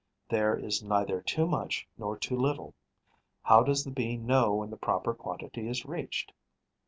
There is neither too much nor too little. How does the Bee know when the proper quantity is reached?